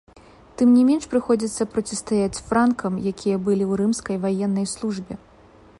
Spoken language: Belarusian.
Тым не менш, прыходзіцца процістаяць франкам, якія былі ў рымскай ваеннай службе.